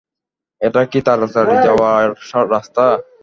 এটা কি তাড়াতাড়ি যাওয়ার রাস্তা?